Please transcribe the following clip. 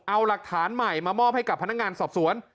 เอาหลักฐานใหม่มามอบให้กับพนักงานสอบสวน